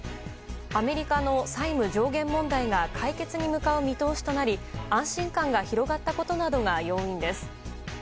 アメリカの債務上限問題が解決に向かう見通しとなり安心感が広がったことなどが要因です。